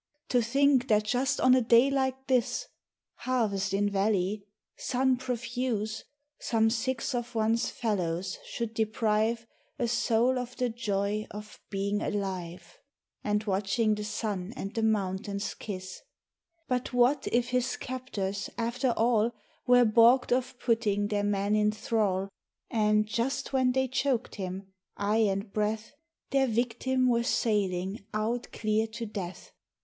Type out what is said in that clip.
To think that just on a day like this — Harvest in valley, sun profuse — Some six of one's fellows should deprive A soul of the joy of being alive, And watching the sun and the mountains kiss 1 But what if his captors after all Were baulked of putting their man in thrall, And, just when they choked him, eye and breath. Their victim were sailing out clear to death.